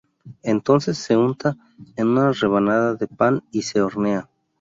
Entonces se unta en una rebanada de pan y se hornea.